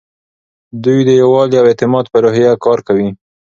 دوی د یووالي او اعتماد په روحیه کار کوي.